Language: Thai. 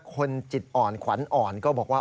คนจิตอ่อนขวัญอ่อนก็บอกว่า